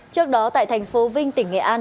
trước đó tại thành phố vinh tỉnh nghệ an